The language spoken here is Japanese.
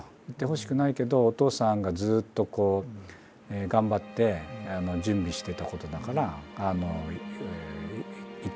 「行ってほしくないけどお父さんがずっとこう頑張って準備してたことだから行ってほしい」という話。